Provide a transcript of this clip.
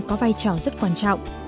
có vai trò rất quan trọng